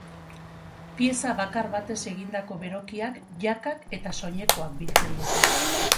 Pieza bakar batez egindako berokiak, jakak eta soinekoak biltzen ditu.